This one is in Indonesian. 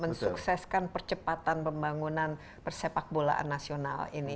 men sukseskan percepatan pembangunan persepak bolaan nasional ini